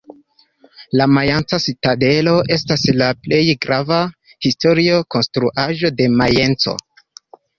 La Majenca citadelo estas la plej grava historia konstruaĵo de Majenco.